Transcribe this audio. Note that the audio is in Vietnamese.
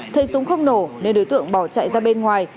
thấy súng không nổ nên đối tượng bỏ chạy ra bên ngoài